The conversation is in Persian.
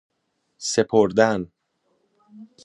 سپردن